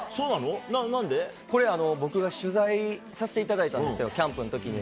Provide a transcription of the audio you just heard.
これ、僕が取材させていただいたんですよ、キャンプのときに。